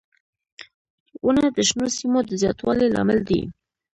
• ونه د شنو سیمو د زیاتوالي لامل دی.